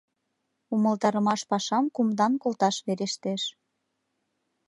Умылтарымаш пашам кумдан колташ верештеш.